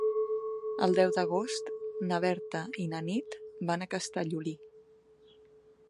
El deu d'agost na Berta i na Nit van a Castellolí.